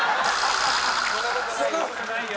そんな事ないよ。